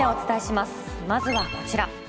まずはこちら。